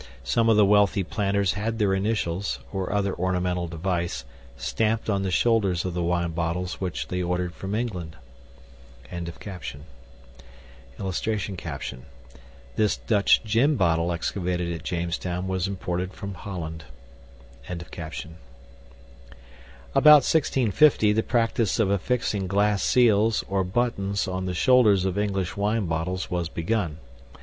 SOME OF THE WEALTHY PLANTERS HAD THEIR INITIALS (OR OTHER ORNAMENTAL DEVICE) STAMPED ON THE SHOULDERS OF THE WINE BOTTLES WHICH THEY ORDERED FROM ENGLAND.] [Illustration: THIS DUTCH GIN BOTTLE EXCAVATED AT JAMESTOWN WAS IMPORTED FROM HOLLAND.] About 1650 the practice of affixing glass seals or buttons on the shoulders of English wine bottles was begun.